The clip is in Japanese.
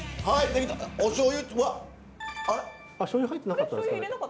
しょうゆ入れなかったんですか。